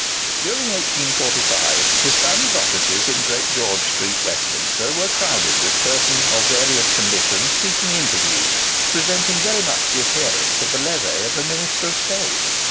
During 1845, his son's offices in Great George street, Westminster, were crowded with persons of various conditions seeking interviews, presenting very much the appearance of the levee of a minister of state.